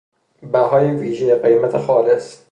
بهای ویژه، قیمت خالص